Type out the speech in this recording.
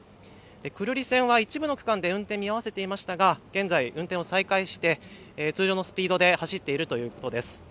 久留里線は一部の区間で運転を見合わせていましたが現在、運転を再開して通常のスピードで走っているということです。